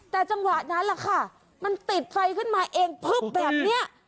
แต่จังหวะนั้นแหละค่ะมันติดไฟขึ้นมาเองพึบแบบนี้